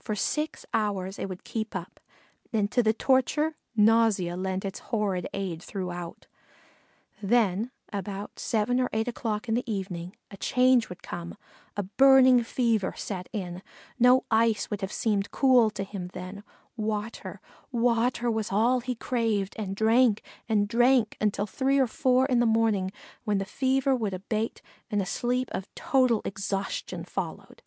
For six hours it would keep up, and to the torture, nausea lent its horrid aid throughout; then about seven or eight o'clock in the evening a change would come; a burning fever set in; no ice could have seemed cool to him then; water water was all he craved, and drank and drank until three or four in the morning, when the fever would abate, and a sleep of total exhaustion followed.